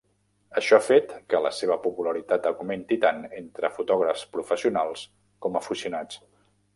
Això ha fet que la seva popularitat augmenti tant entre fotògrafs professionals com aficionats.